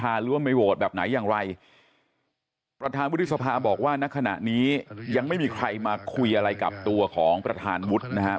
หรือว่าไม่โหวตแบบไหนอย่างไรประธานวุฒิสภาบอกว่าณขณะนี้ยังไม่มีใครมาคุยอะไรกับตัวของประธานวุฒินะครับ